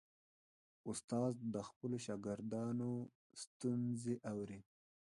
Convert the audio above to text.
استاد د خپلو شاګردانو ستونزې اوري.